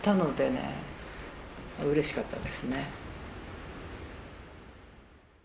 うれしかったですね。